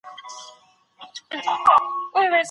ماشومان په وړو بریاوو هم ډېر خوښیږي.